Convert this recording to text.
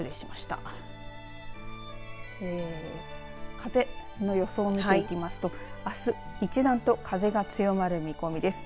風の予想を見ていきますとあす一段と風が強まる見込みです。